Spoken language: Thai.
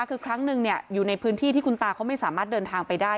คือครั้งหนึ่งอยู่ในพื้นที่ที่คุณตาเขาไม่สามารถเดินทางไปได้